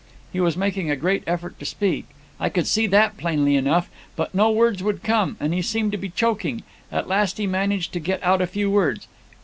He was making a great effort to speak, I could see that plainly enough; but no words would come, and he seemed to be choking. At last he managed to get out a few words.